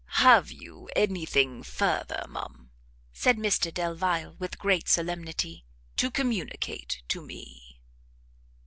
"Have you any thing further, ma'am," said Mr Delvile, with great solemnity, "to communicate to me?"